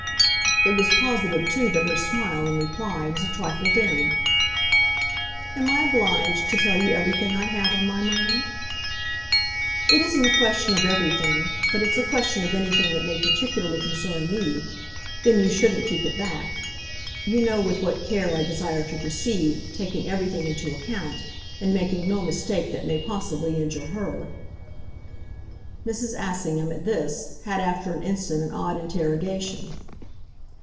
It was positive too that her smile, in reply, was a trifle dim. "Am I obliged to tell you everything I have on my mind?" "It isn't a question of everything, but it's a question of anything that may particularly concern me. Then you shouldn't keep it back. You know with what care I desire to proceed, taking everything into account and making no mistake that may possibly injure HER." Mrs. Assingham, at this, had after an instant an odd interrogation.